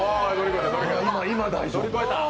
今、大丈夫。